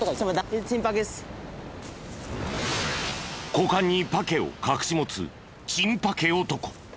股間にパケを隠し持つチンパケ男。